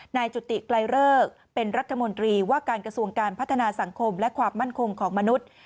นายจุติไกลเลิกเป็นรัฐมนตรีว่าการกระทรวงการพัฒนาสังคมและความมั่นคงของมนุษย์